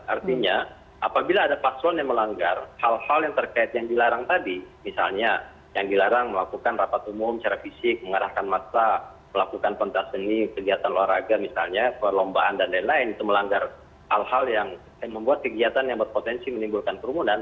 artinya apabila ada paslon yang melanggar hal hal yang terkait yang dilarang tadi misalnya yang dilarang melakukan rapat umum secara fisik mengarahkan massa melakukan pentas seni kegiatan olahraga misalnya perlombaan dan lain lain itu melanggar hal hal yang membuat kegiatan yang berpotensi menimbulkan kerumunan